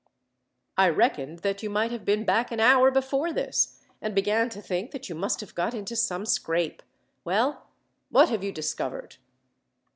"I reckoned that you might have been back an hour before this, and began to think that you must have got into some scrape. Well, what have you discovered?"